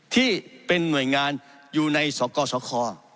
ที่เป็นหน่วยงานอยู่ในสกสค